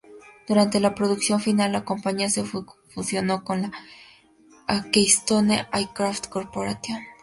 Durante la producción final, la compañía se fusionó con la Keystone Aircraft Corporation.